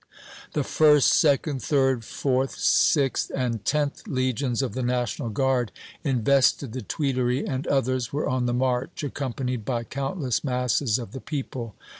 The 1st, 2d, 3d, 4th, 6th and 10th Legions of the National Guard invested the Tuileries, and others were on the march, accompanied by countless masses of the people.